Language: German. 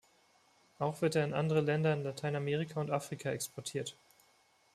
Auch wird er in andere Länder in Lateinamerika und Afrika exportiert.